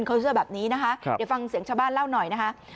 เขาช่วยแบบนี้เดี๋ยวฟังเสียงชาวบ้านเล่าหน่อย